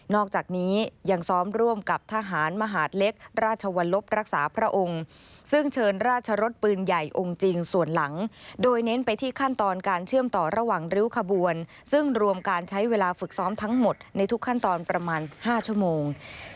อกจากนี้ยังซ้อมร่วมกับทหารมหาดเล็กราชวรลบรักษาพระองค์ซึ่งเชิญราชรสปืนใหญ่องค์จริงส่วนหลังโดยเน้นไปที่ขั้นตอนการเชื่อมต่อระหว่างริ้วขบวนซึ่งรวมการใช้เวลาฝึกซ้อมทั้งหมดในทุกขั้นตอนประมาณ๕ชั่วโมง